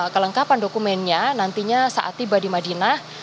kelengkapan dokumennya nantinya saat tiba di madinah